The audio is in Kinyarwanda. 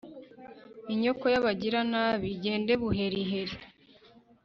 inyoko y'abagiranabi igende buheriheri